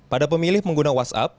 pada pemilih mengguna whatsapp